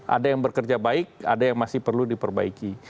ada yang bekerja baik ada yang masih perlu diperbaiki